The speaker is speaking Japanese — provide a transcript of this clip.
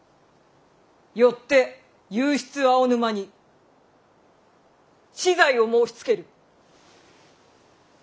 よって右筆青沼に死罪を申しつける。